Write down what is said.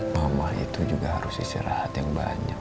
mama itu juga harus istirahat yang banyak